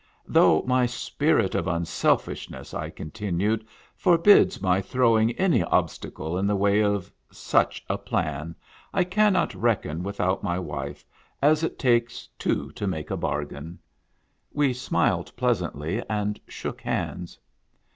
" Though my spirit of unselfishness," I continued, " forbids my throwing any obstacle in the way of such a plan, I cannot reckon without my wife, as it takes two to make a bargain." We smiled pleasantly, and shook hands.